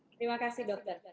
terima kasih dokter